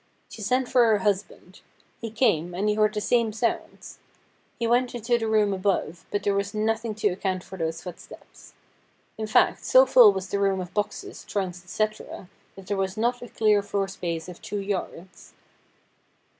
She sent for her husband. He came, and he heard the same sounds. He went into the room above, but there was nothing to account for those footsteps. In fact, so full was the room of boxes, trunks, &c, that there was not a clear floor space of two yards.